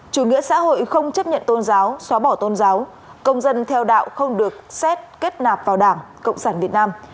chủ nghĩa xã hội không chấp nhận tôn giáo xóa bỏ tôn giáo công dân theo đạo không được xét kết nạp vào đảng cộng sản việt nam